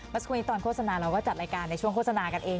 สักวันนี้ตอนโฆษณาเราก็จัดรายการในช่วงโฆษณากันเอง